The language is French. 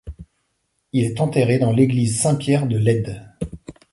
Il est enterré dans l'église Saint-Pierre de Leyde.